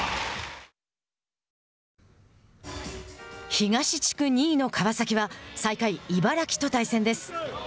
東地区２位の川崎は最下位、茨城と対戦です。